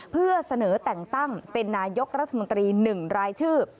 เพื่อเสนอแต่งตั้งเป็นนายกรัฐมนตรี๑รายชื่อ